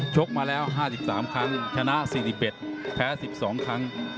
กมาแล้ว๕๓ครั้งชนะ๔๑แพ้๑๒ครั้ง